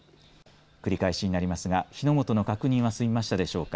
繰り返しになりますが火の元の確認は済みましたでしょうか。